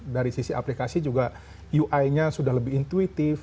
dari sisi aplikasi juga ui nya sudah lebih intuitif